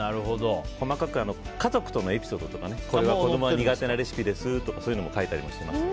細かく家族とのエピソードとかこれは子供が苦手なレシピですとかも書いたりしてます。